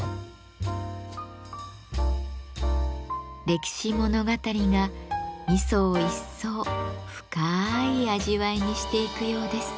歴史物語が味噌を一層深い味わいにしていくようです。